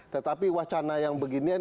tetapi wacana yang beginian